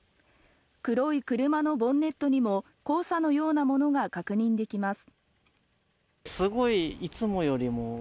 黒い車のボンネットにも黄砂のようなものが確認できます。